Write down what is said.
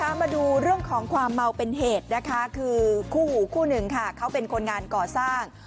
มาดูเรื่องของความเมาเป็นเหตุนะคะคือคู่หูคู่หนึ่งค่ะเขาเป็นคนงานก่อสร้าง